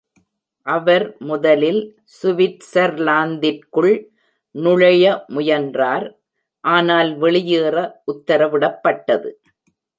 அவர் முதலில் சுவிட்சர்லாந்திற்குள் நுழைய முயன்றார், ஆனால் வெளியேற உத்தரவிடப்பட்டது.